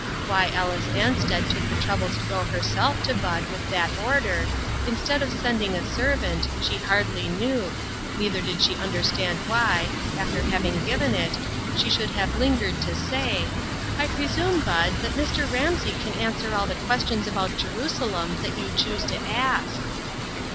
Why Alice Ansted took the trouble to go 286 INTERRUPTED. herself to Bud with the order, instead of sending a servant, she hardly knew, neither did she understand why, after having given it, she should have lingered to say :" I presume, Bud, that Mr. Ramsey can answer all the questions about Jerusalem that you choose to ask."